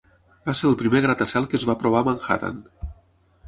Va ser el primer gratacel que es va aprovar a Manhattan.